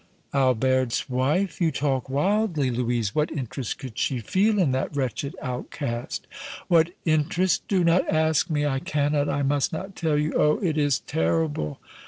"Albert's wife? You talk wildly, Louise. What interest could she feel in that wretched outcast?" "What interest? Do not ask me. I cannot, I must not tell you! Oh! it is terrible!"